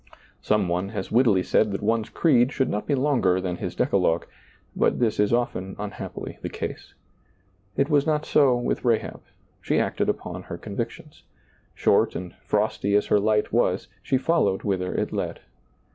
Some one has wittily said that one's creed should not be longer than his decalogue, but this is often unhappily the case. It was not so with Rahab ; she acted upon her convictions. Short and frosty as her light was, she followed whither it led.